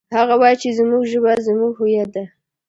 هغه وایي چې زموږ ژبه زموږ هویت ده